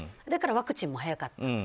だからワクチンも早かった。